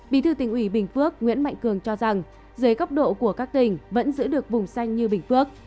bí thư tỉnh ủy bình phước nguyễn mạnh cường cho rằng dưới góc độ của các tỉnh vẫn giữ được vùng xanh như bình phước